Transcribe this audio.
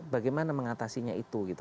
bagaimana mengatasinya itu gitu